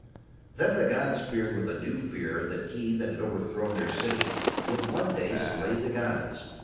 Then the gods feared with a new fear that he that had overthrown Their city would one day slay the gods.